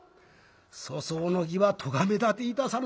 「粗相の儀は咎め立ていたさぬ。